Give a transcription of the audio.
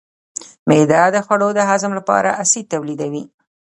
معده د خوړو د هضم لپاره اسید تولیدوي.